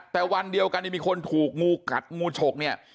แต่วันเดียวกันมีคนถูกงูกัดงูฉกเนี่ย